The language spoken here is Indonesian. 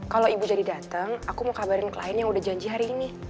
kalau ibu jadi datang aku mau kabarin klien yang udah janji hari ini